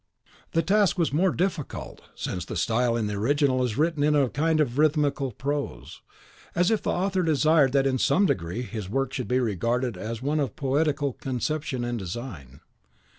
The task was the more difficult, since the style in the original is written in a kind of rhythmical prose, as if the author desired that in some degree his work should be regarded as one of poetical conception and design.